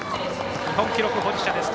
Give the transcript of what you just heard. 日本記録保持者です。